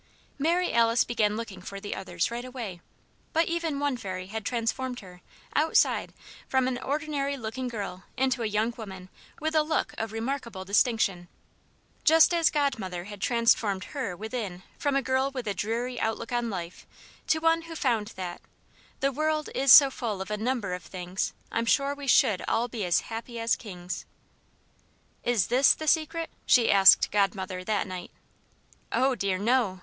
Mary Alice began looking for the others, right away. But even one fairy had transformed her, outside, from an ordinary looking girl into a young woman with a look of remarkable distinction; just as Godmother had transformed her, within, from a girl with a dreary outlook on life, to one who found that "The world is so full of a number of things, I'm sure we should all be as happy as kings." "Is this the Secret?" she asked Godmother, that night. "Oh, dear, no!"